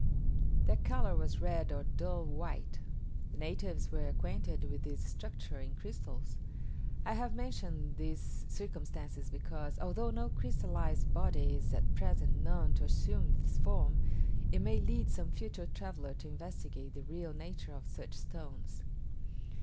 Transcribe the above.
Their colour was red or dull white. The natives were acquainted with this structure in crystals. I have mentioned these circumstances because, although no crystallized body is at present known to assume this form, it may lead some future traveller to investigate the real nature of such stones.